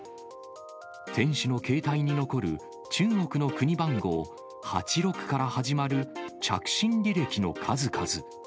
店主の携帯に残る中国の国番号８６から始まる着信履歴の数々。